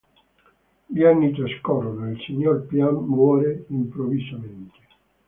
Gli anni trascorrono, il Signor Pian muore improvvisamente.